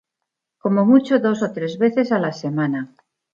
Como mucho dos o tres veces a la semana.